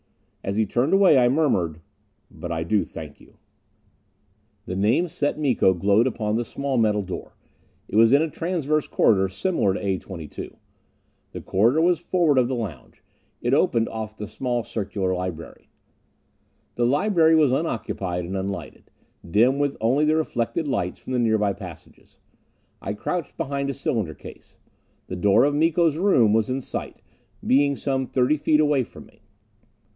As he turned away, I murmured, "But I do thank you...." The name Set Miko glowed upon the small metal door. It was in a transverse corridor similar to A 22. The corridor was forward of the lounge: it opened off the small circular library. The library was unoccupied and unlighted, dim with only the reflected lights from the nearby passages. I crouched behind a cylinder case. The door of Miko's room was in sight, being some thirty feet away from me.